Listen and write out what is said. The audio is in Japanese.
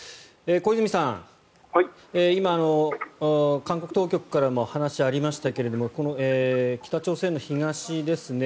小泉さん、今韓国当局からも話がありましたが北朝鮮の東ですね。